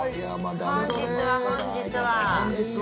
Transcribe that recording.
本日は、本日は。